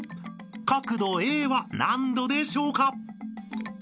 ［角度ａは何度でしょうか？］